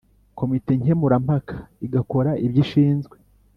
Komite Nkemurampaka igakora ibyishinzwe